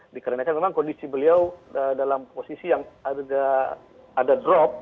dikarenakan memang kondisi beliau dalam posisi yang ada drop